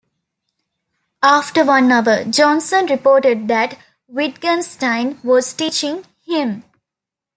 After one hour, Johnson reported that Wittgenstein was teaching "him".